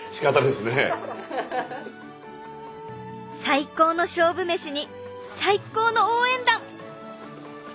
最高の勝負メシに最高の応援団！